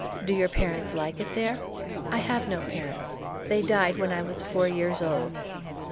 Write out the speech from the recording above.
"Do your parents like it there?" "I have no parents, they died when I was four years old."